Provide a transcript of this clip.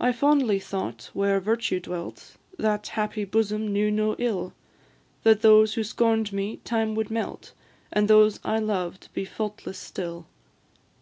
I fondly thought where Virtue dwelt, That happy bosom knew no ill That those who scorn'd me, time would melt, And those I loved be faultless still.